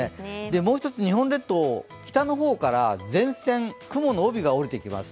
もう一つ、日本列島北の方から前線、雲の帯が降りてきます。